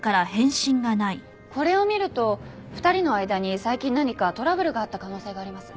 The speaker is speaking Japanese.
これを見ると２人の間に最近何かトラブルがあった可能性があります。